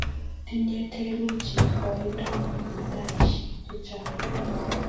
tinye theluji koindo ab mitaishek che chang